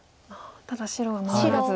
ただ白は守らず。